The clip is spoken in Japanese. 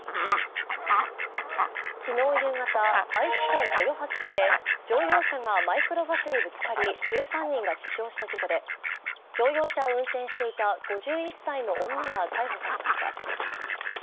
昨日夕方、愛知県豊橋市で乗用車がマイクロバスにぶつかり１３人が死傷した事故で、乗用車を運転していた５１歳の女が逮捕されました。